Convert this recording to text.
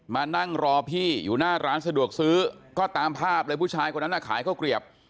มานั่งรอพี่อยู่หน้าร้านสะดวกซื้อก็ตามภาพเลยผู้ชายคนนั้นขายข้าวเกลียบ